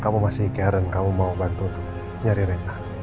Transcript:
kamu masih ikat dan kamu mau bantu untuk nyari reina